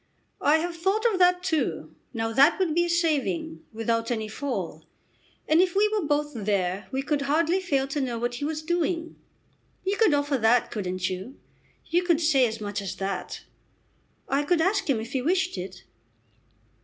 "I have thought of that too. Now that would be a saving, without any fall. And if we were both there we could hardly fail to know what he was doing. You could offer that, couldn't you? You could say as much as that?" "I could ask him if he wished it."